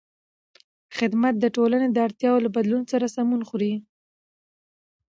خدمت د ټولنې د اړتیاوو له بدلون سره سمون خوري.